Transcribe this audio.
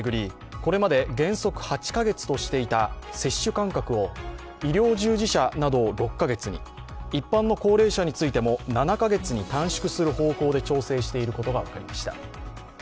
これまで原則８カ月としていた接種間隔を医療従事者などを６カ月に、一般の高齢者についても７カ月に短縮する方向で調整していることが分かりました。